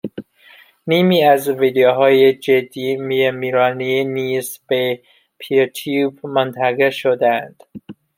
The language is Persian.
نیمی از ویدئوهای جادی میرمیرانی نیز به پیرتیوب منتقل شدهاند